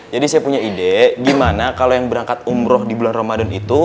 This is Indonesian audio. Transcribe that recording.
jadi saya punya ide gimana kalo yang berangkat umroh di bulan ramadan itu